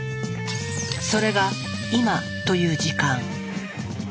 それが「今」という時間。